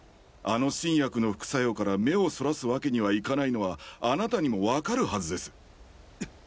あの新薬の副作用から目をそらす訳にはいかないのはあなたにも分かるはずです。